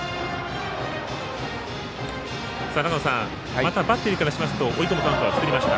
またバッテリーからすると追い込むカウント作りました。